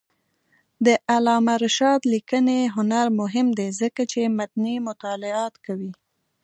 د علامه رشاد لیکنی هنر مهم دی ځکه چې متني مطالعات کوي.